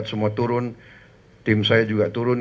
tim saya turun tim saya juga turun